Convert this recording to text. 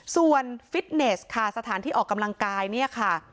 ส่วนฟิตเนสค่ะสถานที่ออกกำลังกายเนี่ยค่ะ